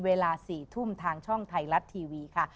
เวลา๔ทุ่มทางช่องไทยรัฐทีวีค่ะ